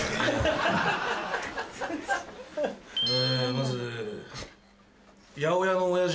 まず。